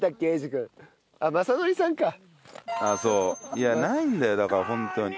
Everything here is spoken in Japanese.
いやないんだよだから本当に。